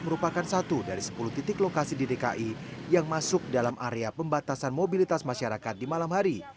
merupakan satu dari sepuluh titik lokasi di dki yang masuk dalam area pembatasan mobilitas masyarakat di malam hari